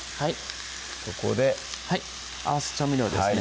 ここではい合わせ調味料ですね